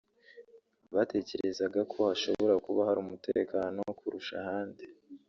batekerezaga ko hashobora kuba hari umutekano kurusha ahandi